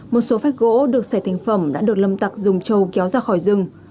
một số phách gỗ được xẻ thành phẩm đã được lâm tặc dùng trâu kéo ra khỏi rừng